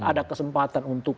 ada kesempatan untuk